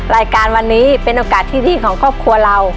รายการวันนี้เป็นโอกาสที่ดีของครอบครัวเรา